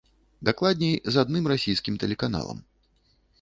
Дакладней, з адным расійскім тэлеканалам.